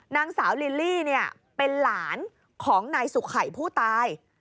นางสาวลิลลี่เป็นหลานของนายสุขัยผู้ตาย